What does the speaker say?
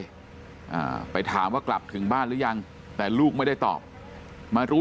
อ่าไปถามว่ากลับถึงบ้านหรือยังแต่ลูกไม่ได้ตอบมารู้